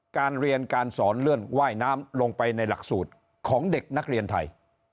การเรียนการสอนเรื่องว่ายน้ำลงไปในหลักสูตรของเด็กนักเรียนไทย